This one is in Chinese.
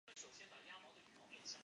劳保局提醒